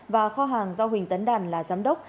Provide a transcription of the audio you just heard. và kho hàng do huỳnh tấn đàn là giám đốc